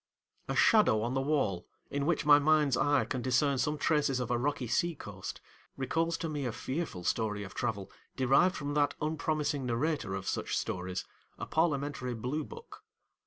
A shadow on the wall in which my mind's eye can discern some traces of a rocky sea coast, recalls to me a fearful story of travel derived from that unpromising narrator of such stories, a parliamentary blue book.